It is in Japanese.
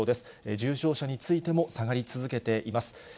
重症者についても下がり続けています。